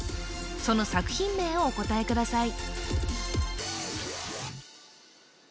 その作品名をお答えください